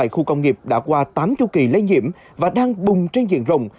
khu công nghiệp đã qua tám châu kỳ lây nhiễm và đang bùng trên diện rộng